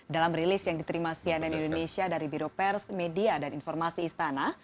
dalam rilis yang diterima cnn indonesia dari biro pers media dan informasi istana